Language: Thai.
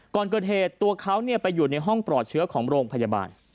ก่อนเกิดเหตุตัวเขาไปอยู่ในห้องปลอดเชื้อของโรงพยาบาล